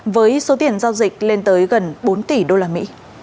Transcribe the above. với số tiền giao dịch lên tới gần bốn tỷ usd